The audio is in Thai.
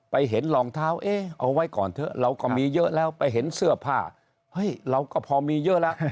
เห็นรองเท้าเอ๊ะเอาไว้ก่อนเถอะเราก็มีเยอะแล้วไปเห็นเสื้อผ้าเฮ้ยเราก็พอมีเยอะแล้ว